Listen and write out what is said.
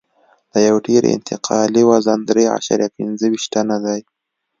د یو ټیر انتقالي وزن درې اعشاریه پنځه ویشت ټنه دی